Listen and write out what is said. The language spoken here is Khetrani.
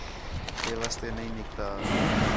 ہے واسطے نِھیں نِکتا